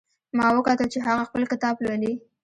ما وکتل چې هغه خپل کتاب لولي